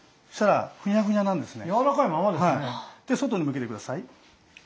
で外に向けて下さい。